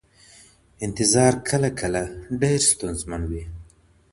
انتظار کله کله ډېر ستونزمن وي.